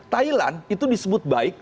thailand itu disebut baik